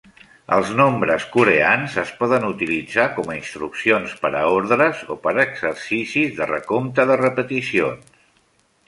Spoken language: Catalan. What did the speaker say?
Els nombres coreans es poden utilitzar com a instruccions per a ordres o per exercicis de recompte de repeticions.